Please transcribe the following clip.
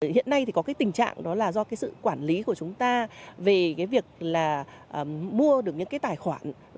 hiện nay thì có cái tình trạng đó là do cái sự quản lý của chúng ta về cái việc là mua được những cái tài khoản